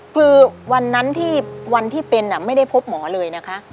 คือวันนั้นที่วันที่เป็นไม่ได้พบหมอเลยนะคะ